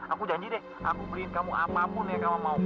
aku janji deh aku beliin kamu apapun ya kamu mau